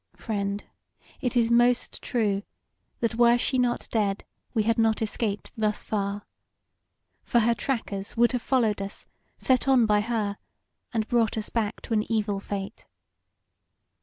Friend, it is most true, that were she not dead we had not escaped thus far. For her trackers would have followed us, set on by her, and brought us back to an evil fate.